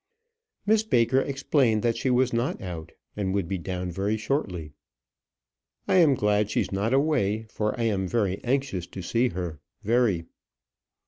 Miss Baker explained that she was not out; and would be down very shortly. "I'm glad she's not away, for I am very anxious to see her very."